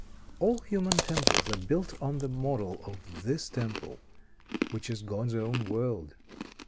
"All human temples are built on the model of this temple, which is God's own world.